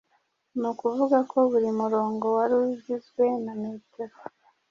ni ukuvuga ko buri murongo wari ugizwe na metero